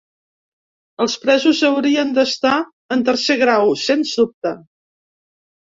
Els presos haurien d’estar en tercer grau, sens dubte.